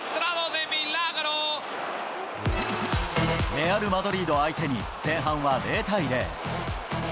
レアル・マドリード相手に前半は０対０。